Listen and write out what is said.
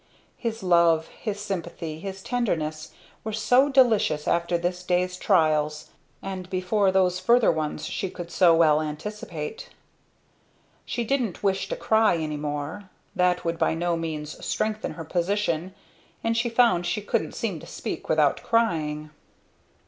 His love, his sympathy, his tenderness, were so delicious after this day's trials and before those further ones she could so well anticipate. She didn't wish to cry any more, that would by no means strengthen her position, and she found she couldn't seem to speak without crying.